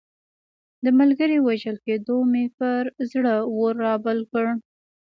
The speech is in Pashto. د ملګري وژل کېدو مې پر زړه اور رابل کړ.